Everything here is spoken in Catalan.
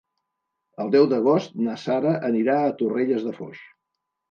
El deu d'agost na Sara anirà a Torrelles de Foix.